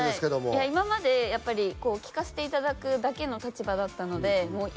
今までやっぱり聞かせていただくだけの立場だったのでもう